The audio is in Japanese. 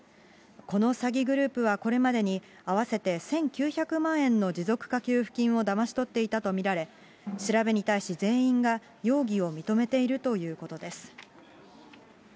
この詐欺グループはこれまでに、合わせて１９００万円の持続化給付金をだまし取っていたと見られ、調べに対し、全員が容疑を認めているということです。